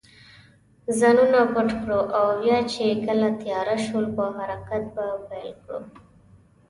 ځانونه پټ کړو او بیا چې کله تېاره شول، په حرکت به پیل وکړو.